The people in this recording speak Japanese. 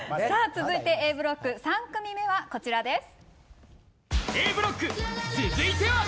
続いてＡブロック３組目はこちらです。